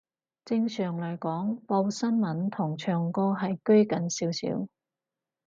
正常嚟講，報新聞同唱歌係拘謹少少